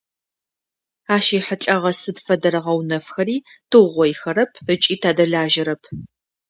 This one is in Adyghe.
Ащ ехьылӏэгъэ сыд фэдэрэ гъэунэфхэри тыугъоихэрэп ыкӏи тадэлажьэрэп.